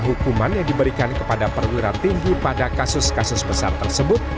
hukuman yang diberikan kepada perwira tinggi pada kasus kasus besar tersebut